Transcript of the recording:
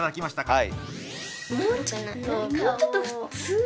はい。